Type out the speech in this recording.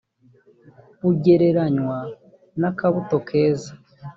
bugereranywa n akabuto keza